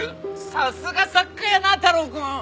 さすが作家やな太郎くん！